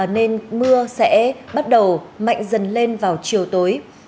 nên mưa sẽ bắt đầu mạnh dần lên vào chiều tối